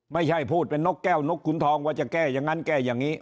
ไม่ใช่พูดเป็นนกแก้วนกขุนทองว่าจะแก้อย่างนั้นแก้อย่างนี้